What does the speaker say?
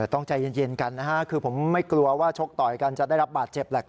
ต้องใจเย็นกันนะฮะคือผมไม่กลัวว่าชกต่อยกันจะได้รับบาดเจ็บแหละ